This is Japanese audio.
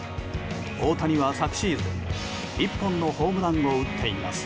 大谷は昨シーズン１本のホームランを打っています。